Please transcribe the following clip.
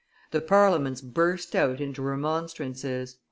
The Parliaments burst out into remonstrances.